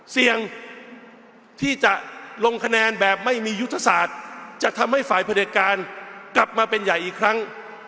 เสี่ยงที่จะลงคะแนนแบบไม่มียุทธศาสตร์จะทำให้ฝ่ายผลิตการกลับมาเป็นใหญ่อีกครั้ง